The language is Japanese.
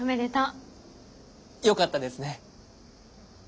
よかったですね。